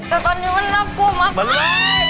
แต่ตอนนี้มันรับกูมา